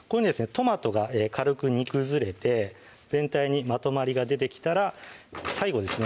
トマトが軽く煮崩れて全体にまとまりが出てきたら最後ですね